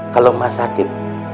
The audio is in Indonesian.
kalau emak sakit